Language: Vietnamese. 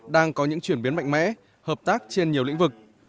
đang có những chuyển biến mạnh mẽ hợp tác trên nhiều lĩnh vực